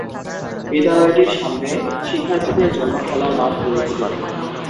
বিদ্যালয়টির সামনে শিক্ষার্থীদের জন্য খেলার মাঠ রয়েছে।